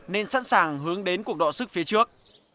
nên sẵn sàng hướng đến cuộc đọa sức phía trước